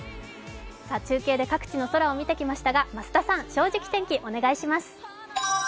中継で各地の空を見てきましたが、増田さん、「正直天気」、お願いします。